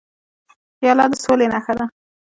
پیاله د سولې نښه ده.